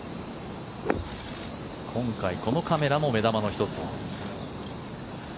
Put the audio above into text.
今回、このカメラも目玉の１つ。